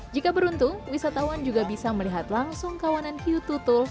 jika beruntung wisatawan juga bisa melihat langsung kawanan hiu tutul